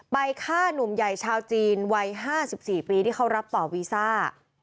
ไปฆ่านุ่มใหญ่ชาวจีนวัย๕๔ปีที่เขารับต่อวีซ่า